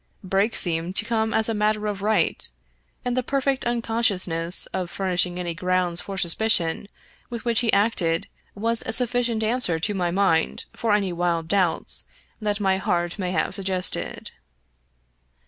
Brake seemed to come as a matter of right ; and the perfect unconsciousness of furnishing any grounds for suspicion with which he acted was a sufficient answer to my mind for any wild doubts that my heart may have suggested.